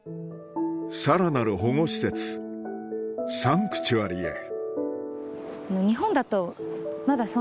さらなる保護施設サンクチュアリへえ！